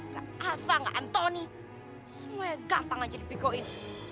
kak alva kak antoni semuanya gampang aja lebih go in